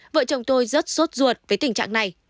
vợ chồng tôi rất sốt ruột với tình trạng này